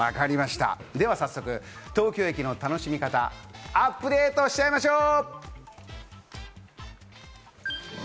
では早速、東京駅の楽しみ方、アップデートしちゃいましょう！